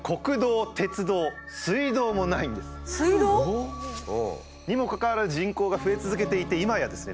水道？にもかかわらず人口が増え続けていて今やですね